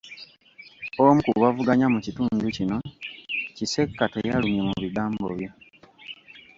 Omu ku bavuganya mu kitundu kino, Kisekka, teyalumye mu bigambo bye.